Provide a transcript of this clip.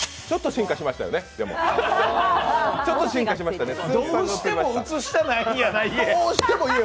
ちょっと進化しましたよね、でも。